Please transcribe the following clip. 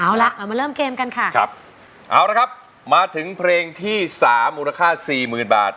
เอาล่ะมาเริ่มเกมกันขี๊เอาล่ะครับมาถึงเพลงที่๓มูลค่า๔๐๐๐๐บาท